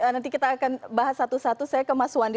nanti kita akan bahas satu satu saya ke mas wandi